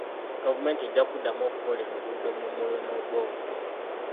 Gavumenti ejja kuddamu okukola enguudo mu Moyo ne Obongi.